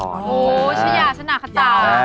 โอ้โฮชญาสนาคตา